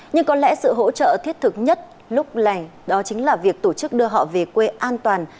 nhưng có lẽ sự hỗ trợ thiết thực nhất lúc này đó chính là việc tổ chức đưa họ về quê an toàn